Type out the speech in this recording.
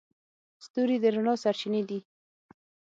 ستوري د رڼا سرچینې دي.